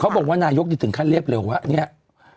เขาบอกว่านายกจะถึงขั้นเลียบเร็วอ่ะ